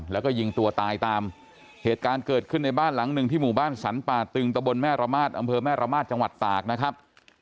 แล้วก็ยิงตัวตายตามเหตุการณ์เกิดขึ้นในบ้านหลังหนึ่งที่หมู่บ้านสรรป่าตึงตะบนแม่ระมาทอำเภอแม่ระมาทจังหวัดตากนะครับ